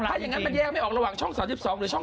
ถ้าอย่างนั้นมันแยกไม่ออกระหว่างช่อง๓๒หรือช่อง๓